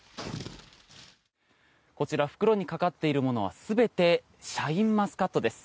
こちら袋にかかっているものは全てシャインマスカットです。